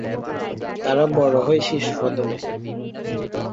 তারা বড় হয় শিশুসদনে।